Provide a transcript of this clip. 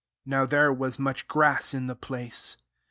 (Now there was much grass in the place.)